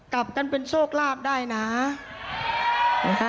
กลับกันเป็นโชคลาภได้นะ